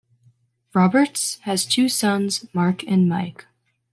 Roberts has two sons, Mark and Mike.